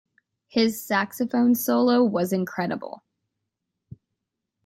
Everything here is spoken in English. His saxophone solo was incredible.